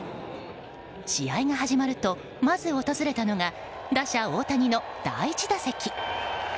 試合が始まると、まず訪れたのが打者・大谷の第１打席。